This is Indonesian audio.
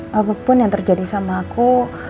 apapun yang terjadi sama aku